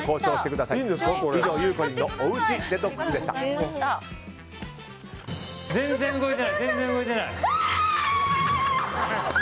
以上、ゆうこりんのおうちデトックスでした。